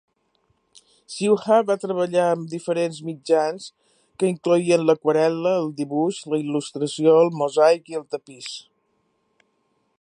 Ciuha va treballar amb diferents mitjans, que incloïen l'aquarel·la, el dibuix, la il·lustració, el mosaic i el tapís.